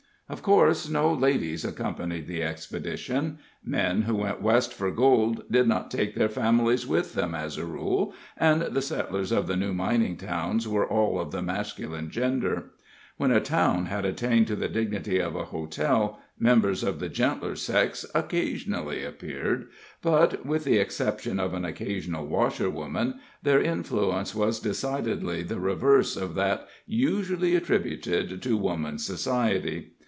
Of course, no ladies accompanied the expedition. Men who went West for gold did not take their families with them, as a rule, and the settlers of new mining towns were all of the masculine gender. When a town had attained to the dignity of a hotel, members of the gentler sex occasionally appeared, but with the exception of an occasional washerwoman their influence was decidedly the reverse of that usually attributed to woman's society.